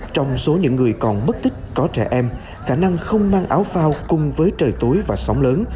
trong số những người còn mất tích có trẻ em khả năng không mang áo phao cùng với trời tối và sóng lớn